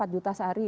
empat juta sehari